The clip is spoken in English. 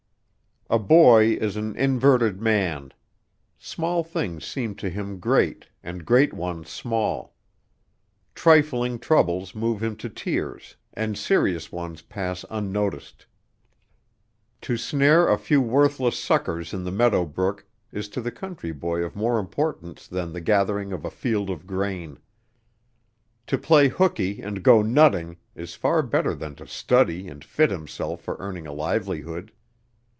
A boy is an inverted man. Small things seem to him great and great ones small. Trifling troubles move him to tears and serious ones pass unnoticed. To snare a few worthless suckers in the meadow brook is to the country boy of more importance than the gathering of a field of grain. To play hooky and go nutting is far better than to study and fit himself for earning a livelihood.